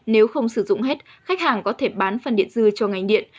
nếu không sử dụng hết khách hàng có thể bán phần điện dưa cho ngành điện